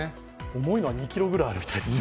重いのは２ｋｇぐらいあるようですよ。